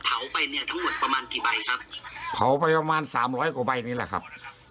เผาไปเนี่ยทั้งหมดประมาณกี่ใบครับเผาไปประมาณสามร้อยกว่าใบนี้แหละครับ